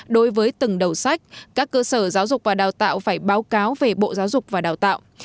đối với từng đầu sách các cơ sở giáo dục và đào tạo phải báo cáo về bộ giáo dục và đào tạo